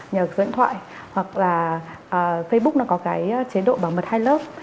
nhờ dẫn thoại hoặc là facebook nó có cái chế độ bảo mật hai lớp